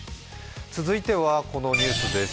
続いてはこのニュースです。